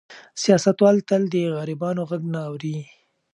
سیاستوال تل د غریبانو غږ نه اوري.